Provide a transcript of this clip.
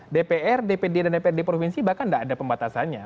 dpr dpd dan dprd provinsi bahkan tidak ada pembatasannya